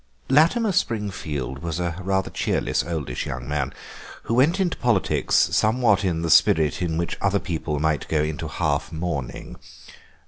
Latimer Springfield was a rather cheerless, oldish young man, who went into politics somewhat in the spirit in which other people might go into half mourning.